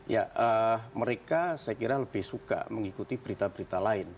ya mereka saya kira lebih suka mengikuti berita berita lain